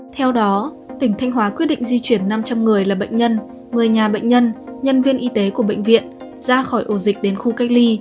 theo đó tỉnh thanh hóa quyết định di chuyển năm trăm linh người là bệnh nhân người nhà bệnh nhân nhân viên y tế của bệnh viện ra khỏi ổ dịch đến khu cách ly